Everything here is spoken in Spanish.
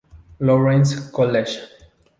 Lawrence College.